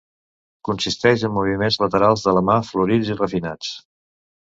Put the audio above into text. Consisteix en moviments laterals de la mà florits i refinats.